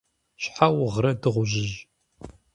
- Щхьэ угърэ, дыгъужьыжь?